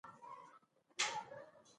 په درېیمه برخه کې د محمد علي کدیور موندنې دي.